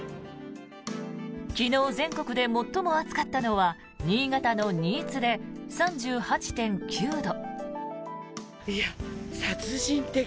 昨日全国で最も暑かったのは新潟の新津で３８．９度。